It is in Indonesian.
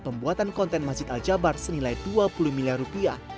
pembuatan konten masjid al jabar senilai dua puluh miliar rupiah